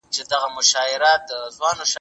خیر محمد په خپل زړه کې د خپل کلي د سیند غږ حس کړ.